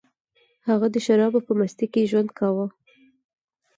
هغه د شرابو په مستۍ کې ژوند کاوه